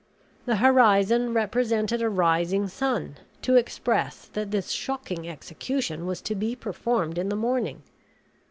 The horizon represented a rising sun, to express that this shocking execution was to be performed in the morning.